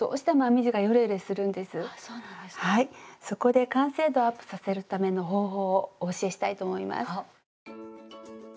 そこで完成度をアップさせるための方法をお教えしたいと思います。